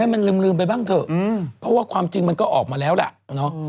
เพราะว่าความจริงมันก็ออกมาแล้วแหละ